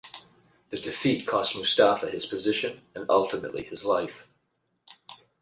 The defeat cost Mustafa his position, and ultimately, his life.